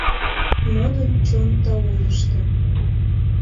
Модын чон таулышто.